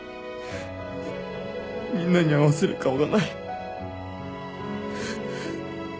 みんなに合わせる顔がない。